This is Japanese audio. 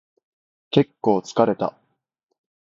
結構疲れた